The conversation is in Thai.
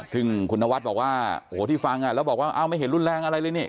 ซึ่งคุณนวัดบอกว่าโอ้โหที่ฟังแล้วบอกว่าไม่เห็นรุนแรงอะไรเลยนี่